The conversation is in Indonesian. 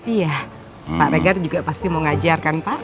iya pak regar juga pasti mau ngajar kan pak